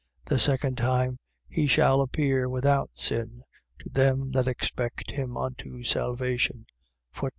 The second time he shall appear without sin to them that expect him unto salvation.